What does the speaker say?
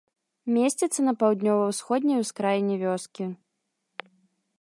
Месціцца на паўднёва-усходняй ускраіне вёскі.